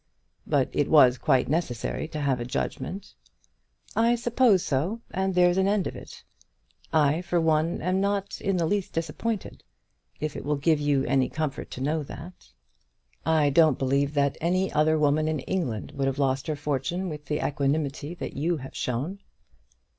"But it was quite necessary to have a judgment." "I suppose so, and there's an end of it. I, for one, am not in the least disappointed, if it will give you any comfort to know that." "I don't believe that any other woman in England would have lost her fortune with the equanimity that you have shown."